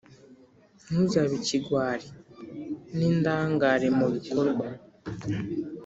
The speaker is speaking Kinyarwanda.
ntuzabe ikigwari n’indangare mu bikorwa